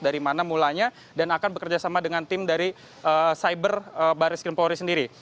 dari mana mulanya dan akan bekerjasama dengan tim dari cyber baris krim polri sendiri